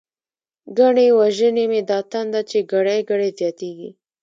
ګنی وژنی می دا تنده، چی ګړۍ ګړۍ زياتيږی